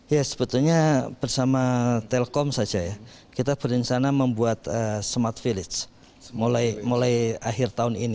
ya sebetulnya bersama telkom saja ya kita berencana membuat smart village mulai akhir tahun ini